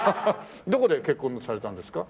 どこで結婚されたんですか？